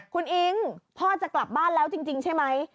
คุณอิ๊งพ่อจะกลับบ้านแล้วจริงใช่ไหม